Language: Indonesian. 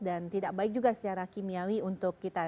dan tidak baik juga secara kimiawi untuk kita